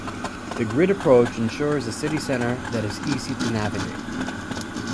The grid approach ensures a city center that is easy to navigate.